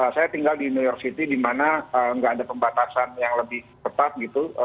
saya tinggal di new york city di mana nggak ada pembatasan yang lebih ketat gitu